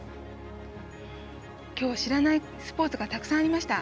きょう、知らないスポーツがたくさんありました。